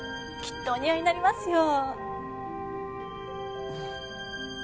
きっとお似合いになりますよ。